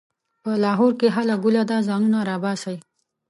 په لاهور کې هله ګوله ده؛ ځانونه راباسئ.